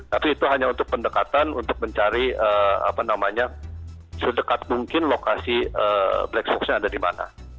tapi itu hanya untuk pendekatan untuk mencari sedekat mungkin lokasi black boxnya ada dimana